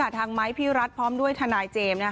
ทางไมค์พิรัฐร์พร้อมด้วยทนายเจมส์